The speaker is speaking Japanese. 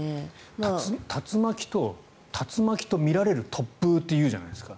竜巻と竜巻とみられる突風っていうじゃないですか。